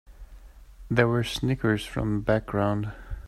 There were snickers from the background.